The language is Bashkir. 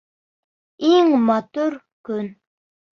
ИҢ МАТУР КӨН